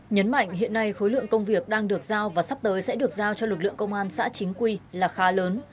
nhấn mạnh hiện nay khối lượng công việc đang được giao và sắp tới sẽ được giao cho lực lượng công an xã chính quy là khá lớn